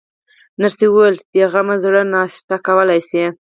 نرسې وویل: په بې غمه زړه ناشته کولای شئ.